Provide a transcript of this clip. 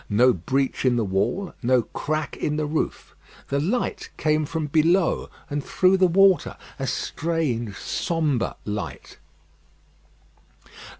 No breach in the wall, no crack in the roof. The light came from below and through the water, a strange, sombre light.